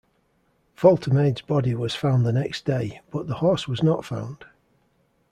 Woltemade's body was found the next day, but the horse was not found.